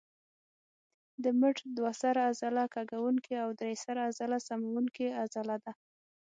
د مټ دوه سره عضله کږوونکې او درې سره عضله سموونکې عضله ده.